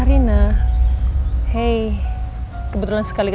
ternyata bener mama sarah